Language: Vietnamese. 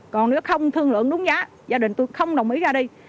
còn nếu không thương lượng đúng giá gia đình tôi không đồng ý ra đi